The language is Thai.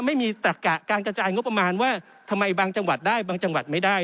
ไม่มีการกระจายงบประมาณว่าทำไมบางจังหวัดได้บางจังหวัดไม่ได้